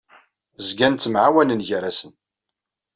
Zgan ttemɛawanen gar-asen.